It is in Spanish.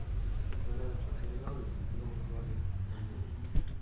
Juega de portero y su club actual es Talleres.